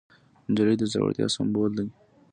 نجلۍ د زړورتیا سمبول ده.